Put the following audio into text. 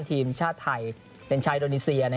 ทีมชาติไทยเป็นชาวอินโดนีเซีย